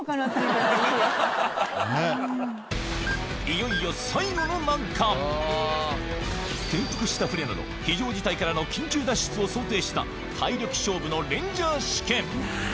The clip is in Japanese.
いよいよ最後の難関転覆した船など非常事態からの緊急脱出を想定した体力勝負のレンジャー試験！